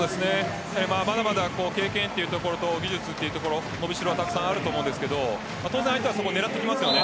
まだまだ経験というところと技術というところ伸びしろ、たくさんあると思うんですが相手は当然狙ってきます。